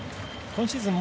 今シーズン